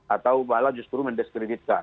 atau malah justru mendiskreditkan